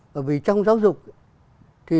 bởi vì trong giáo dục thì